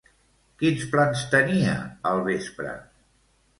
Quins plans tenia al vespre?